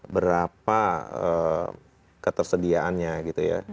berapa ketersediaannya gitu ya